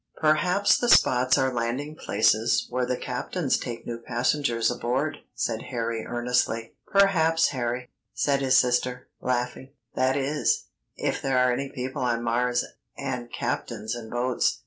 "Perhaps the spots are landing places where the captains take new passengers aboard," said Harry earnestly. "Perhaps, Harry," said his sister, laughing; "that is, if there are any people on Mars, and captains and boats.